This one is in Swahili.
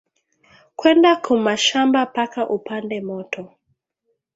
Kwenda ku mashamba paka upande moto